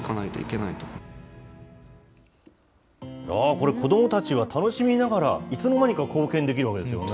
これ、子どもたちは楽しみながら、いつの間にか貢献できるわけですよね。